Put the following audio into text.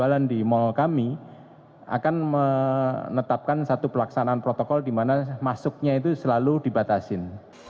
jalan di mall kami akan menetapkan satu pelaksanaan protokol di mana masuknya itu selalu dibatasin